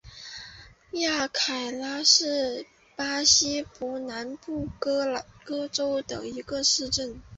雅凯拉是巴西伯南布哥州的一个市镇。